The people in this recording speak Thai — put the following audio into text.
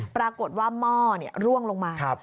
ปรากฏว่าม่อนี่ล่วงลงมา